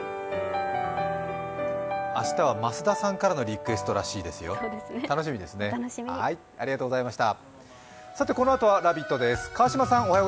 明日は増田さんからのリクエストらしいですよ。